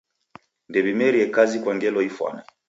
Ndew'imerie kazi kwa ngelo ifwane.